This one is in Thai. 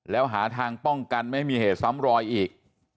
แล้วหาทางป้องกันไม่ให้มีเหตุซ้ำรอยอีก